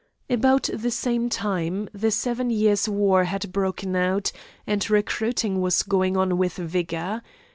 About the same time, the seven years' war had broken out, and recruiting was going on with vigour.